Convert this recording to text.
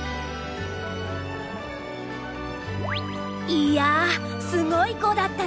いやすごい碁だったね。